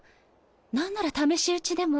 何なら試し撃ちでも。